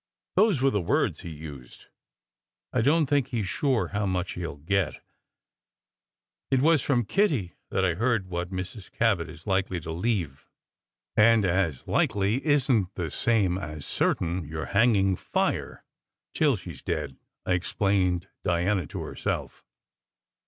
Those were the words he used. I don t think he s sure how much he ll get. It was from Kitty I heard what Mrs. Cabot is likely to leave." "And as * likely isn t the same as certain, you re hang ing fire till she s dead," I explained Diana to herself.